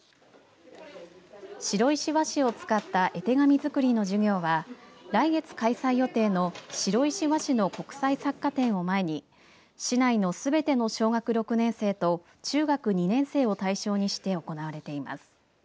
白石和紙を使った絵手紙作りの授業は来月開催予定の白石和紙の国際作家展を前に市内のすべての小学６年生と中学２年生を対象にして行われています。